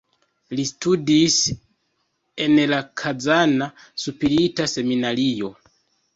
Li studis en la Kazana spirita seminario.